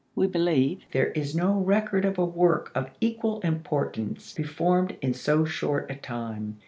^ We believe there is no record of a work of equal importance performed in so short a time.